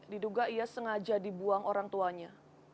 diduga ia sengaja dibuang orang tuanya